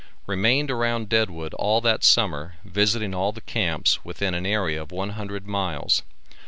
Remained around Deadwood all that summer visiting all the camps within an area of one hundred miles.